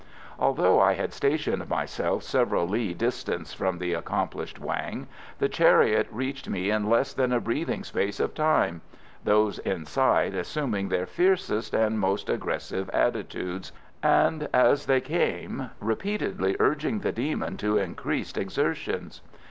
Although I had stationed myself several li distant from the accomplished Wang, the chariot reached me in less than a breathing space of time, those inside assuming their fiercest and most aggressive attitudes, and as they came repeatedly urging the demon to increased exertions.